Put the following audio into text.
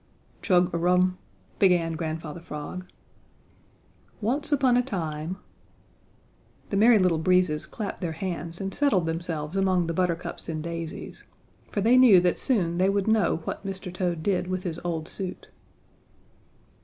"Chug a rum," began Grandfather Frog. "Once upon a time " The Merry Little Breezes clapped their hands and settled themselves among the buttercups and daisies, for they knew that soon they would know what Mr. Toad did with his old suit.